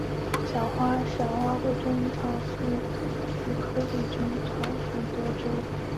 小花鬼针草是菊科鬼针草属的植物。